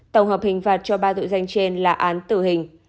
tổng hợp hình phạt cho ba tội danh trên là án tử hình